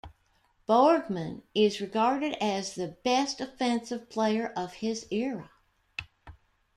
Borgmann is regarded as the best offensive player of his era.